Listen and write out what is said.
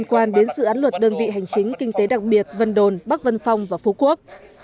những câu hỏi liên quan đến sự án luật đơn vị hành chính kinh tế đặc biệt vân đồn bắc vân phong và phú quốc